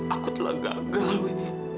aku telah gagal wi